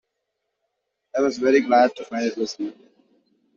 I was very glad to find it was you.